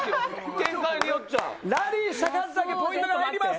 ラリーした数だけポイントが入ります。